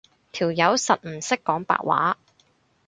條友實唔識講白話